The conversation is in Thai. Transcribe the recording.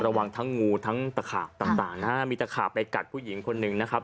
ระวังทั้งงูทั้งตะขาบต่างนะฮะมีตะขาบไปกัดผู้หญิงคนหนึ่งนะครับ